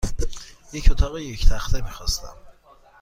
یک اتاق یک تخته میخواستم.